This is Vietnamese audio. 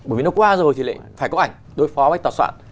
bởi vì nó qua rồi thì lại phải có ảnh đối phó với tòa soạn